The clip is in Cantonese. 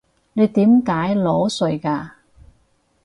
你點解裸睡㗎？